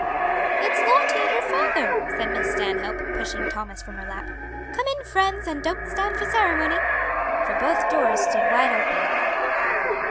"It's Lottie and her father," said Miss Stanhope, pushing Thomas from her lap. "Come in, friends, and don't stand for ceremony." For both doors stood wide open.